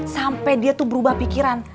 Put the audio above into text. sampai dia tuh berubah pikiran